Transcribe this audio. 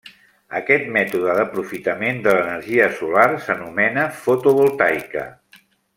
Aquest mètode d'aprofitament de l'energia solar s'anomena fotovoltaica.